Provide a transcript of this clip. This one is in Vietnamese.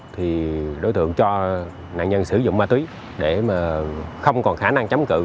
thì đối tượng cho nạn nhân sử dụng ma túy để mà không còn khả năng chấm cự